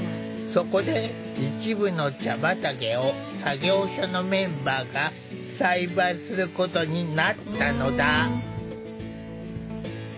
そこで一部の茶畑を作業所のメンバーが栽培することになったのだ。